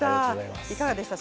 いかがでしたか？